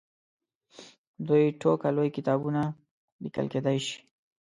دوې ټوکه لوی کتابونه لیکل کېدلای شي.